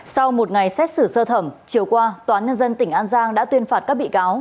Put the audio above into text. sau một ngày xét xử sơ thẩm chiều qua tòa nhân dân tỉnh an giang đã tuyên phạt các bị cáo